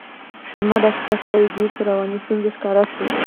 زما دا کیسه ښایي ډېرو ته رواني ستونزه ښکاره شي.